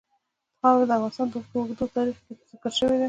خاوره د افغانستان په اوږده تاریخ کې ذکر شوی دی.